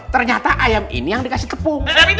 ternyata ayam ini yang dikasih tepung